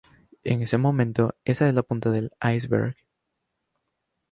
En ese momento, esa es la punta del "iceberg".